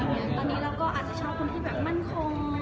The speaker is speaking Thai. ตอนนี้เราก็อาจจะช่วยคนที่มั่นโค้ง